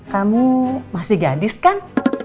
kamu masih gadis kan